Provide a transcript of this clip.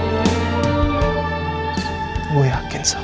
bukan nino yang gak berguna itu